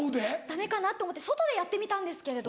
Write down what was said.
ダメかなと思って外でやってみたんですけれど。